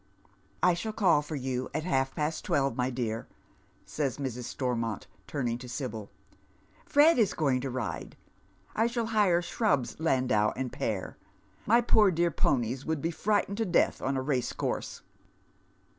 " I shall call for you at half past twelve, my dear," says Mrs. Stormont, turning to Sibyl. " Fred is going to ride. I shall hire Shrub's landau and pair. My poor dear ponies would be frightened to death on a racecourse."